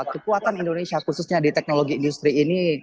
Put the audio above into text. kekuatan indonesia khususnya di teknologi industri ini